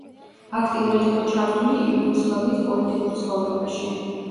აქტიურად იყო ჩართული იუგოსლავიის პოლიტიკურ ცხოვრებაში.